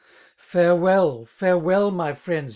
Farewell ! farewdOi, my frieods